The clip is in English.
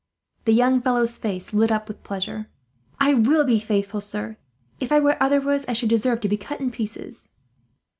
The young fellow's face lit up with pleasure. "I will be faithful, sir. If I were otherwise, I should deserve to be cut in pieces."